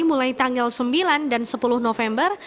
mulai tanggal sembilan dan sepuluh november